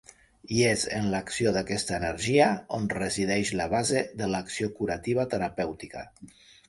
I és en l'acció d'aquesta energia on resideix la base de l'acció curativa terapèutica.